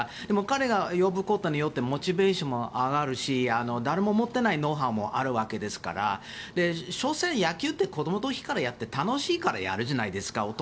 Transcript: でも、彼を呼ぶことによってモチベーションも上がるし誰も持っていないノウハウもあるわけですから所詮、野球って子どもの時からやっていて楽しいからやるじゃないですか。